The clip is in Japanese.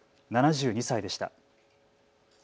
７２歳でした。